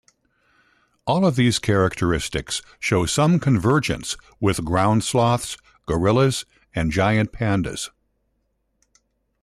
All of these characteristics show some convergence with ground sloths, gorillas and giant pandas.